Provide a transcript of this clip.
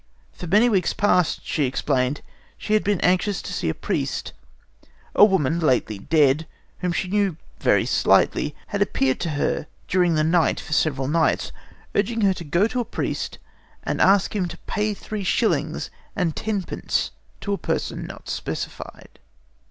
For many weeks past, she explained, she had been anxious to see a priest. A woman, lately dead, whom she knew very slightly, had appeared to her during the night for several nights, urging her to go to a priest and ask him to pay three shillings and tenpence to a person not specified.